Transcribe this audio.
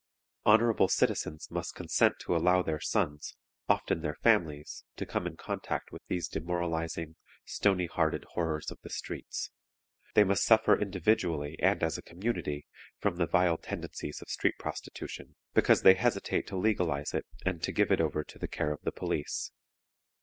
Honorable citizens must consent to allow their sons, often their families, to come in contact with these demoralizing, stony hearted horrors of the streets; they must suffer individually and as a community from the vile tendencies of street prostitution, because they hesitate to legalize it and to give it over to the care of the police.